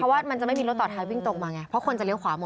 ว่ามันจะไม่มีรถต่อท้ายวิ่งตรงมาไงเพราะคนจะเลี้ยขวาหมด